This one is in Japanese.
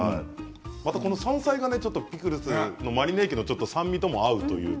またこの山菜がねピクルスのマリネ液の酸味とも合うというか。